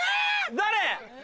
誰？